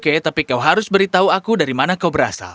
oke tapi kau harus beritahu aku dari mana kau berasal